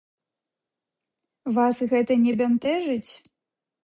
Вас гэта не бянтэжыць?